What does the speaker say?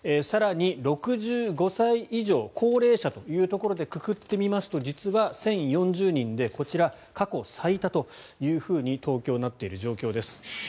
更に６５歳以上高齢者というところでくくってみますと実は１０４０人でこちらは過去最多というふうに東京はなっている状況です。